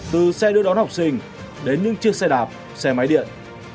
từ xe đưa đón học sinh đến những chiếc xe đạp xe máy điện